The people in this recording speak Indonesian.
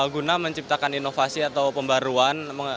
guna menciptakan inovasi atau pembaruan